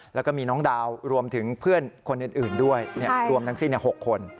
แล้วก็มีน้องดาวรวมถึงเพื่อนคนอื่นด้วยรวมทั้งสิ้น๖คน